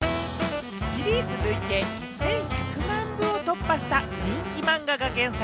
シリーズ累計１１００万部を突破した人気マンガが原作。